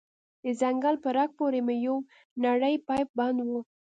د څنگل په رگ پورې مې يو نرى پيپ بند و.